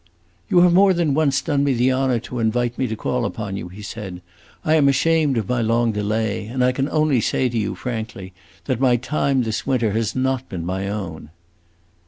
"You have more than once done me the honor to invite me to call upon you," he said. "I am ashamed of my long delay, and I can only say to you, frankly, that my time this winter has not been my own."